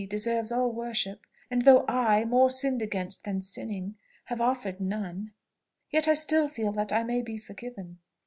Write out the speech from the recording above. deserves all worship and though I (more sinned against than sinning) have offered none, yet still I feel that I may be forgiven.